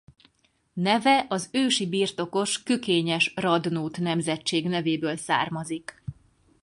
Neve az ősi birtokos Kökényes-Radnót nemzetség nevéből származik.